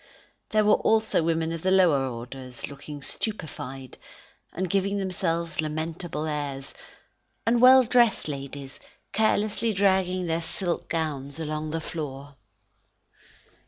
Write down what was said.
There were also women of the lower orders looking stupefied, and giving themselves lamentable airs; and well dressed ladies, carelessly dragging their silk gowns along the floor.